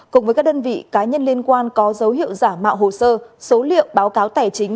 cùng với các đơn vị cá nhân liên quan có dấu hiệu giả mạo hồ sơ số liệu báo cáo tài chính